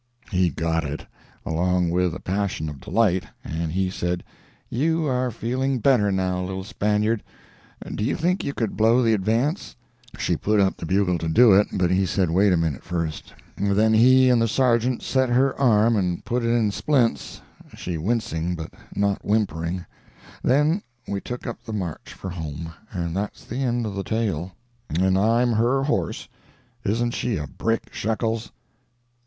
He got it, along with a passion of delight, and he said, 'You are feeling better now, little Spaniard—do you think you could blow the advance?' She put up the bugle to do it, but he said wait a minute first. Then he and the sergeant set her arm and put it in splints, she wincing but not whimpering; then we took up the march for home, and that's the end of the tale; and I'm her horse. Isn't she a brick, Shekels?